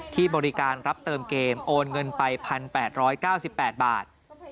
ที่บริการรับเติมเกมโอนเงินไป๑๘๙๘บาท